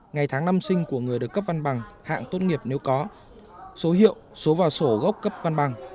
ngày tháng năm sinh của người được cấp văn bằng hạng tốt nghiệp nếu có số hiệu số vào sổ gốc cấp văn bằng